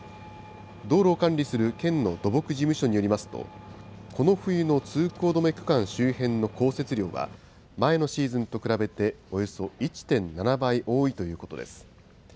道路を管理する県の土木事務所によりますと、この冬の通行止め区間周辺の降雪量は、前のシーズンと比べておよそ１．７倍多いということです。